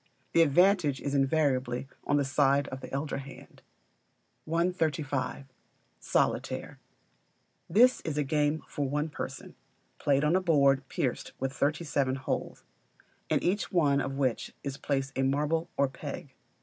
The advantage is invariably or the side of the elder hand. 135. Solitaire This is a game for one person, played on a board pierced with thirty seven holes, in each one of which is placed a marble or peg.